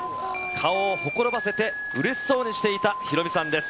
顔をほころばせて、うれしそうにしていたヒロミさんです。